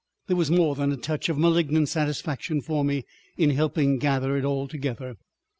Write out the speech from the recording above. There was more than a touch of malignant satisfaction for me in helping gather it all together.